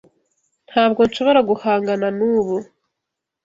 Ntabwo nshobora guhangana nubu.